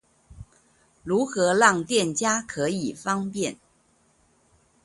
如何讓店家可以方便